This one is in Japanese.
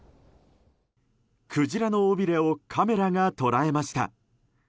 クジラの尾びれをカメラが捉えました。